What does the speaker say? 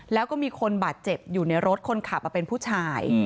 แล้วก็มีคนบาดเจ็บอยู่ในรถคนขับเป็นผู้ชาย